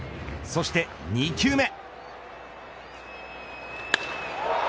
そして、２球目。